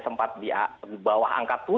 sempat di bawah angka tujuh